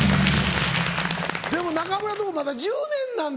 でも中村のとこまだ１０年なんだ。